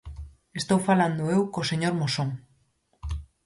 Estou falando eu co señor Moxón.